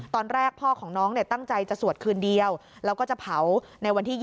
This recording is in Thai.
ตอนแรกพ่อของน้องตั้งใจจะสวดคืนเดียวแล้วก็จะเผาในวันที่๒๒